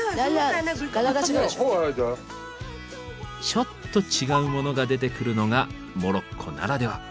ちょっと違うモノが出てくるのがモロッコならでは。